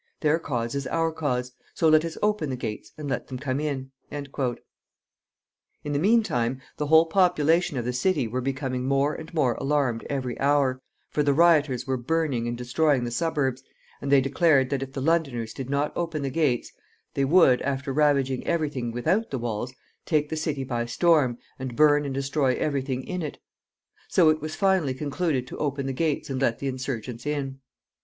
Their cause is our cause. So let us open the gates and let them come in." [Illustration: THE SAVOY.] In the mean time, the whole population of the city were becoming more and more alarmed every hour, for the rioters were burning and destroying the suburbs, and they declared that if the Londoners did not open the gates, they would, after ravaging every thing without the walls, take the city by storm, and burn and destroy every thing in it. So it was finally concluded to open the gates and let the insurgents in.